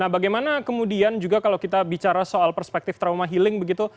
nah bagaimana kemudian juga kalau kita bicara soal perspektif trauma healing begitu